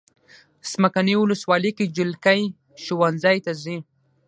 څمکنیو ولسوالۍ کې جلکې ښوونځی ته ځي.